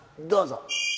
どうぞ。